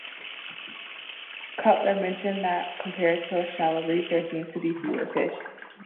Cutler mentioned that compared to a shallow reef, there seemed to be fewer fish.